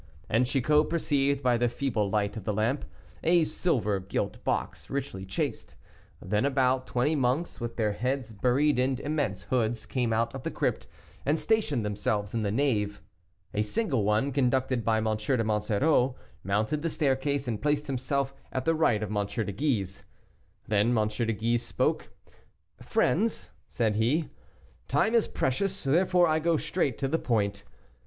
And Chicot perceived, by the feeble light of the lamp, a silver gilt box, richly chased. Then about twenty monks, with their heads buried in immense hoods, came out of the crypt, and stationed themselves in the nave. A single one, conducted by M. de Monsoreau, mounted the staircase, and placed himself at the right of M. de Guise. Then M. de Guise spoke. "Friends," said he, "time is precious; therefore I go straight to the point.